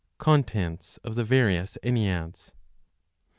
CONTENTS OF THE VARIOUS ENNEADS.